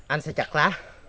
anh sẽ chặt lá